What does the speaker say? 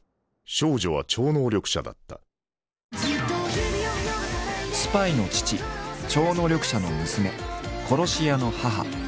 少女は超能力者だったスパイの父超能力者の娘殺し屋の母。